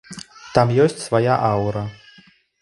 Там ёсць свая аўра.